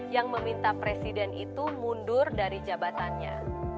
yang meminta presiden itu mundur dari jabatannya